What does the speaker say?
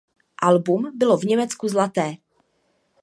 Album bylo v Německu zlaté.